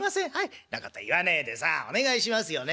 「そんなこと言わねえでさあお願いしますよね。